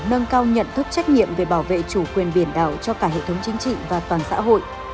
nâng cao nhận thức trách nhiệm về bảo vệ chủ quyền biển đảo cho cả hệ thống chính trị và toàn xã hội